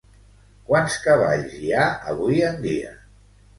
Quants cavalls hi ha avui en dia?